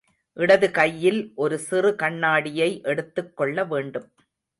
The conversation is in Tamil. இடது கையில் ஒரு சிறு கண்ணாடியை எடுத்துக் கொள்ள வேண்டும்.